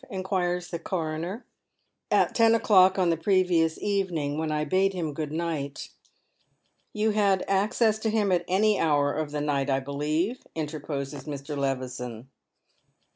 inquires the coroner. " At ten o'clock on the previous evening, when I bade him good night." " You had access to him at any hour of the night, I believe ?" interposes Mi . Levison.